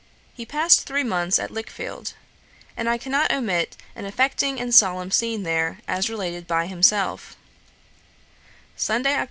He passed three months at Lichfield; and I cannot omit an affecting and solemn scene there, as related by himself: 'Sunday, Oct.